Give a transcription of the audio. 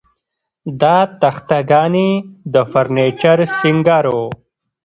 دا تخته ګانې د فرنیچر سینګار و